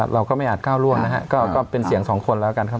เราก็ไม่อาจก้าวล่วงนะฮะก็เป็นเสียงสองคนแล้วกันครับ